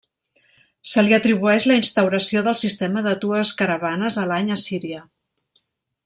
Se li atribueix la instauració del sistema de dues caravanes a l'any a Síria.